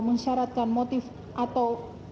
mensyaratkan motif atau